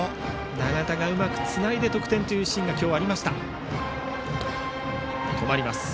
永田がうまくつないで得点というシーンが今日、ありました。